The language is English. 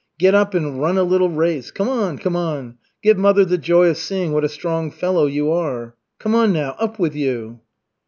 Get up and run a little race. Come on, come on, give mother the joy of seeing what a strong fellow you are. Come on now! Up with you!"